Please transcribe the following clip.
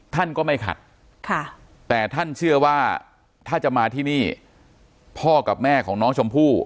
ท่านก็ไม่ขัดแต่ท่านเชื่อว่าถ้าจะมาที่นี่พ่อกับแม่ของน้องชมพู่